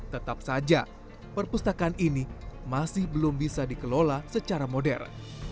tetap saja perpustakaan ini masih belum bisa dikelola secara modern